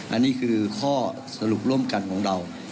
อันนี้คือข้อสรุปร่วมกันของเรา